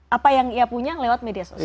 apa yang ia punya lewat media sosial